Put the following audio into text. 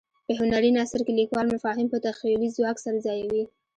په هنري نثر کې لیکوال مفاهیم په تخیلي ځواک سره ځایوي.